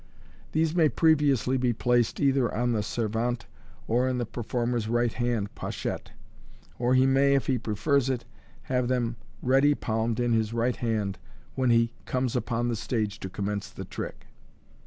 (These may previously be placed either on the servant e or in the per former's right hand pochette j or he may, if he prefers it, have them ready palmed in his right hand when he comes upon the stage to commence the trick.)